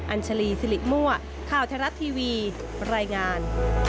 อัญชลีสิริมัวข่าวทรัพย์ทีวีรายงาน